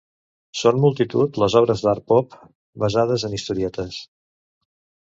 Són multitud les obres d'art pop basades en historietes.